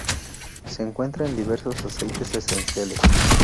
Se encuentra en diversos aceites esenciales.